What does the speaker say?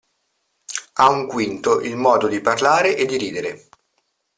A un quinto il modo di parlare e di ridere.